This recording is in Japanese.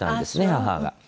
母が。